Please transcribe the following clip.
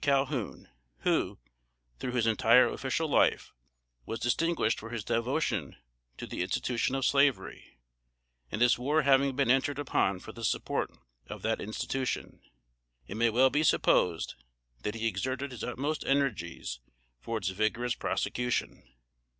Calhoun, who, through his entire official life, was distinguished for his devotion to the institution of Slavery; and this war having been entered upon for the support of that institution, it may well be supposed that he exerted his utmost energies for its vigorous prosecution.